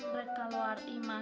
mereka keluar di ima